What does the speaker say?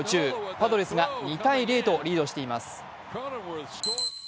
パドレスが２−０とリードしています